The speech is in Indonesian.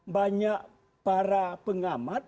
banyak para pengamat